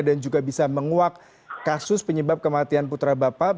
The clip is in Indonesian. dan juga bisa menguak kasus penyebab kematian putra bapak